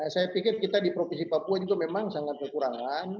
saya pikir kita di provinsi papua juga memang sangat kekurangan